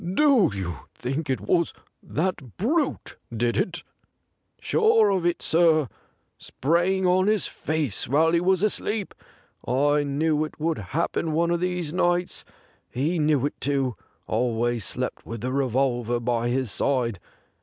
' Do you think it was that brute did it ?'' Sure of it, sir ; sprang on his face while he was asleep. I knew it would happen one of these nights. He knew it too ; always slept with the revolver by his side.